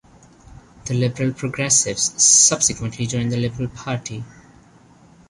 The Liberal-Progressives subsequently joined the Liberal Party.